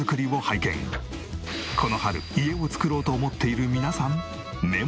この春家を作ろうと思っている皆さん